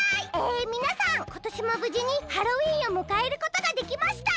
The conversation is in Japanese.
えみなさんことしもぶじにハロウィーンをむかえることができました。